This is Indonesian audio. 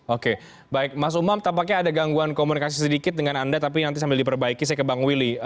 oke baik mas umam tampaknya ada gangguan komunikasi sedikit dengan anda tapi nanti sambil diperbaiki saya ke bang willy